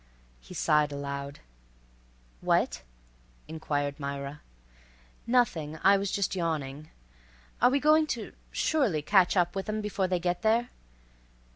He sighed aloud. "What?" inquired Myra. "Nothing. I was just yawning. Are we going to surely catch up with 'em before they get there?"